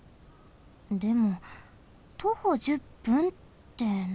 でも徒歩１０分ってなんだ？